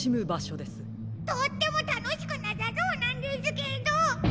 とってもたのしくなさそうなんですけど。